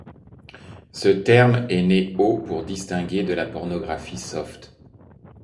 Ce terme est né au pour distinguer de la pornographie soft.